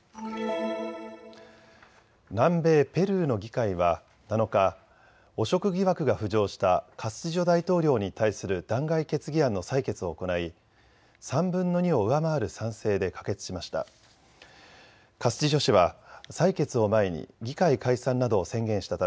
南米ペルーの議会は７日、汚職疑惑が浮上したカスティジョ大統領に対する弾劾決議案の採決を行い３分の２を上回る賛成で可決しました。